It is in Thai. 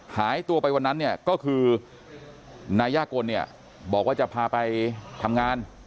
หายตัวไปวันนั้นเนี่ยก็คือนายยากลเนี่ยบอกว่าจะพาไปทำงาน